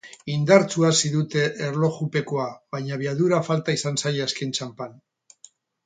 Indartsu hasi dute erlojupekoa, baina abiadura falta izan zaie azken txanpan.